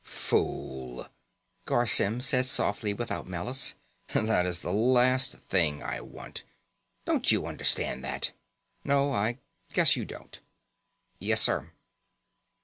"Fool," Garr Symm said softly, without malice. "That is the last thing I want. Don't you understand that? No, I guess you don't." "Yes, sir."